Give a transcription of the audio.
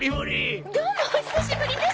どうもお久しぶりです！